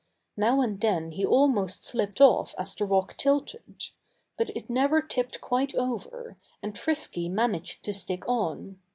Now and then he almost slipped off as the rock tilted. But it never tipped quite over; and Frisky managed to stick on.